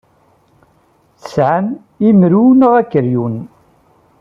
Tesɛam imru neɣ akeryun?